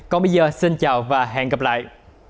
còn bây giờ xin chào và hẹn gặp lại